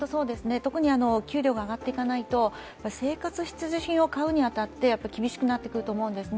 特に給料が上がっていかないと、生活必需品を買うに当たって厳しくなってくると思うんですね